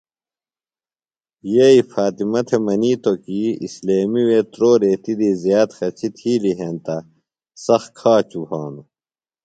یئی فاطمہ تھےۡ منِیتو کی اِسلیمی وے تُرو ریتیۡ دی زِیات خچیۡ تِھیلیۡ ہینتہ سخت کھاچُوۡ بھانوۡ۔